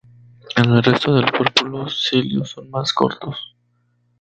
En el resto del cuerpo los cilios son más cortos.